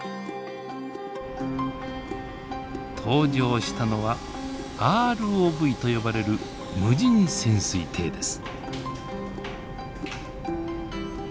登場したのはＲＯＶと呼ばれる無人潜水艇です。